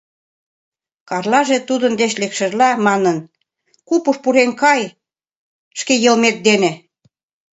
Карлаже тудын деч лекшыжла манын: «Купыш пурен кай шке йылмет дене!».